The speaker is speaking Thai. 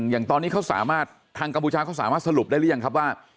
อย่างตอนนี้เขาสามารถทางกัมพูชาเขาสามารถสรุปได้หรือยังครับว่า